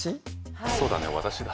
そうだね私だ。